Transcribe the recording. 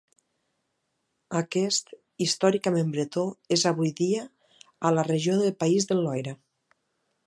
Aquest, històricament bretó, és avui dia a la regió de País del Loira.